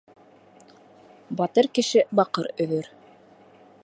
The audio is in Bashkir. Батыр кеше баҡыр өҙөр.